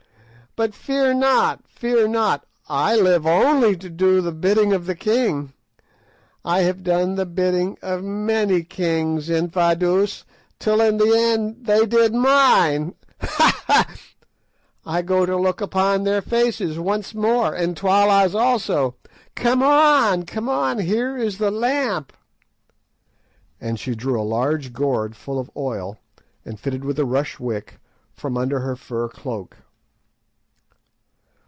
But, fear not, fear not, I live only to do the bidding of the king. I have done the bidding of many kings, Infadoos, till in the end they did mine. Ha! ha! I go to look upon their faces once more, and Twala's also! Come on, come on, here is the lamp," and she drew a large gourd full of oil, and fitted with a rush wick, from under her fur cloak.